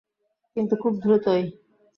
কিন্তু খুব দ্রুতই।